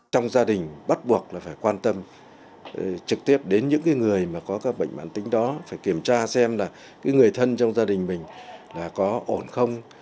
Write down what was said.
trong gia đình bắt buộc là phải quan tâm trực tiếp đến những người mà có các bệnh mạng tính đó phải kiểm tra xem là người thân trong gia đình mình là có ổn không